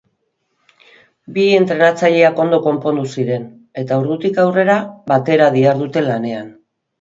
Bi entrenatzaileak ondo konpondu ziren, eta ordutik aurrera batera dihardute lanean.